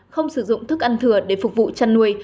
không sử dụng thức ăn thừa để phục vụ chăn nuôi